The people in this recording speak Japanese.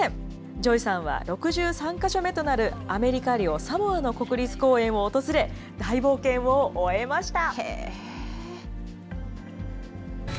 ジョイさんは６３か所目となるアメリカ領サモアの国立公園を訪れ、大冒険を終えました。